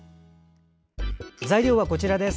材料はこちらです。